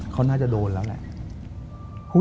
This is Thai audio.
เขาน่าจะโดนแล้วแหละ